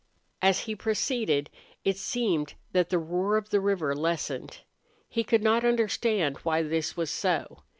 As he proceeded it seemed that the roar of the river lessened. He could not understand why this was so.